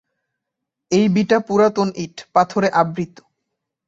এই ভিটা পুরাতন ইট, পাথরে আবৃত।